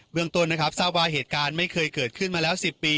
เมืองต้นนะครับทราบว่าเหตุการณ์ไม่เคยเกิดขึ้นมาแล้ว๑๐ปี